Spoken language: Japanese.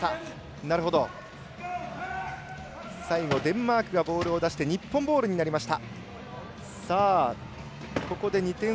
最後、デンマークがボールを出して日本ボールになりました。